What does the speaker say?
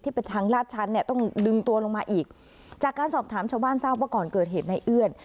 เป็นทางลาดชั้นเนี่ยต้องดึงตัวลงมาอีกจากการสอบถามชาวบ้านทราบว่าก่อนเกิดเหตุในเอื้อน